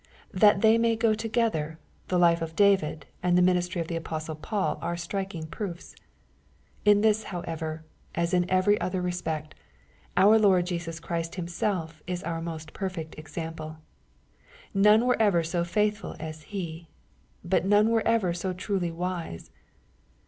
That they may go together, the life of David, and the ministry of the apostle Paul are striking proofs. In this, however, as in every other respect, our Lord Jesus Christ Himself is our most perfect example. None were ever BO faithful as He. But none were ever so truly wise.